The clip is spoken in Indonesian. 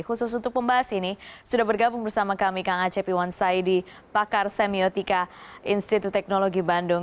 khusus untuk pembahas ini sudah bergabung bersama kami kang acep iwan saidi pakar semiotika institut teknologi bandung